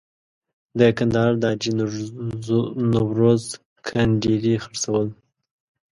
د کندهار د حاجي نوروز کنډیري خرڅول.